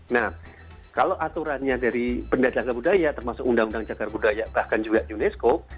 nah kalau aturannya dari benda cagar budaya termasuk undang undang cagar budaya bahkan juga unesco